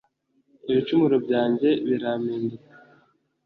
ibicumuro byanjye birampinduka